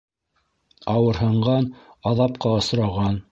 Ауырһынған аҙапҡа осраған.